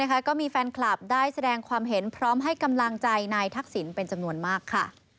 ก็มีแฟนคลับได้แสดงความเห็นพร้อมให้กำลังใจนายทักษิณเป็นจำนวนมากค่ะ